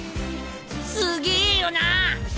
すげえよな。